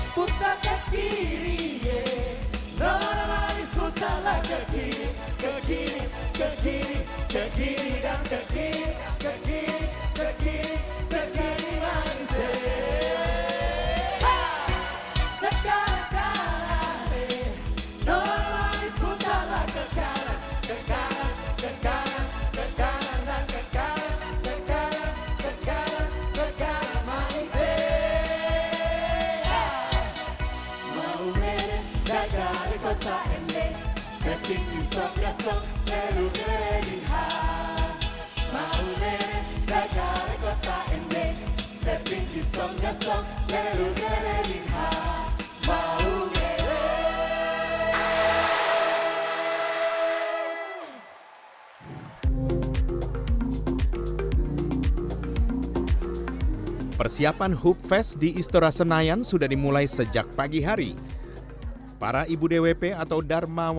panjang kuakulik utara